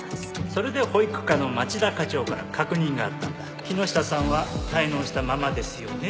それで保育課の町田課長から「木下さんは滞納したままですよね」